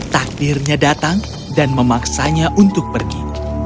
takdirnya datang dan memaksanya untuk pergi